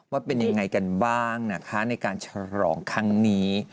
ว่าเป็นยังไงกันบ้างนะคะในการฉลองครั้งนี้